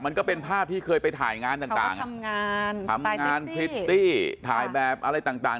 มันก็เป็นภาพที่เคยไปถ่ายงานต่างทำงานทำงานพริตตี้ถ่ายแบบอะไรต่าง